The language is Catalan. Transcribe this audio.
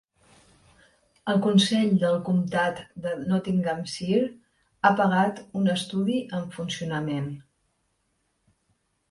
El Consell del Comtat de Nottinghamshire ha pagat un estudi en funcionament.